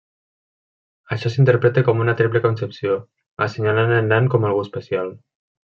Això s'interpreta com una triple concepció, assenyalant el nen com algú especial.